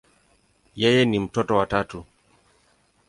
Yeye ni mtoto wa tatu.